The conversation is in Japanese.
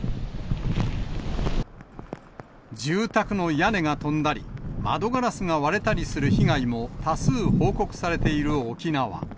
住宅の屋根が飛んだり、窓ガラスが割れたりする被害も多数報告されている沖縄。